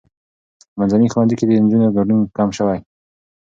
په منځني ښوونځي کې د نجونو ګډون کم شوی.